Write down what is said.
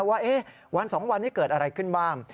ว่าวัน๒วันนี้เกิดอะไรขึ้นบ้าง